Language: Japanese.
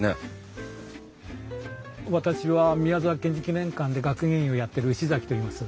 私は宮沢賢治記念館で学芸員をやってる牛崎といいます。